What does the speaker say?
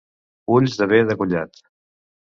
Ulls de be degollat.